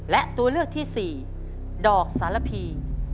และตัวเลือกที่๔ดอกสารพี